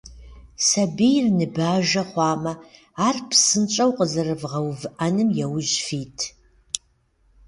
Сабийр ныбажэ хъуамэ, ар псынщӏэу къэзэрывгъэувыӏэным яужь фит.